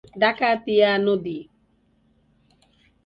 ডাকাতিয়া নদী।